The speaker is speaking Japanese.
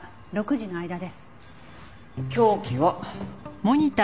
凶器は。